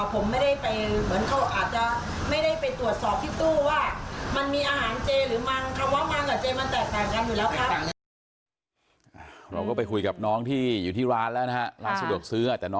ผมไม่ได้ไปอาจจะไม่ได้ไปตรวจสอบที่ตู้ว่ามันมีอาหารเจหรือมัน